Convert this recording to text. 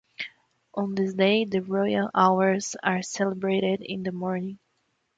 On this day the Royal Hours are celebrated in the morning.